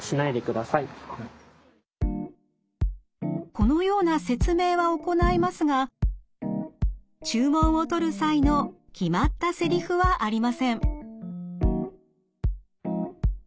このような説明は行いますが注文を取る際の決まったセリフはありません。